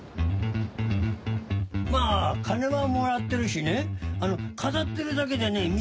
まぁ金はもらってるしね飾ってるだけでね